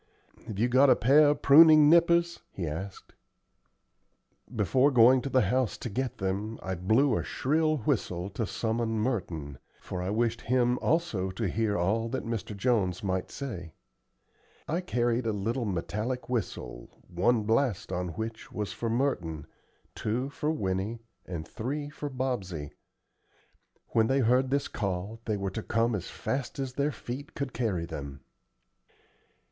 "Have you got a pair of pruning nippers?" he asked. Before going to the house to get them, I blew a shrill whistle to summon Merton, for I wished him also to hear all that Mr. Jones might say. I carried a little metallic whistle one blast on which was for Merton, two for Winnie, and three for Bobsey. When they heard this call they were to come as fast as their feet could carry them.